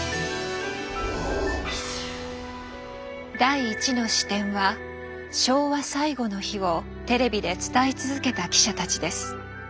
第１の視点は「昭和最後の日」をテレビで伝え続けた記者たちです。